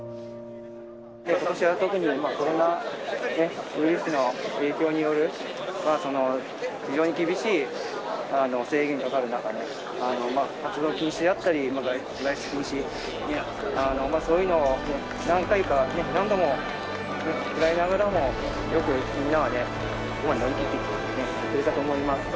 ことしは特にコロナウイルスの影響による、非常に厳しい制限がかかる中で、活動禁止であったり、外出禁止、そういうのを何回か、何度も食らいながらも、よく、みんなはね、ここまで乗り切ってくれたと思います。